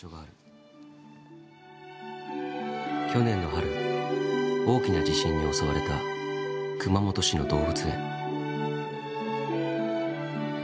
去年の春大きな地震に襲われた熊本市の動物園。